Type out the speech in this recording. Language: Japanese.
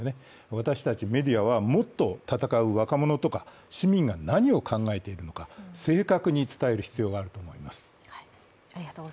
私たちメディアは、もっと戦う若者とか市民が何を考えているのか、正確に伝える必要があると思います。